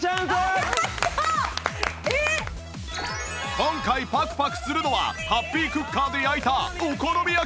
今回パクパクするのはハッピークッカーで焼いたお好み焼き